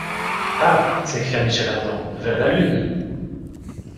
Ah! s’écria Michel Ardan, vers la Lune?